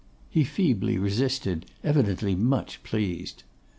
He feebly resisted, evidently much pleased.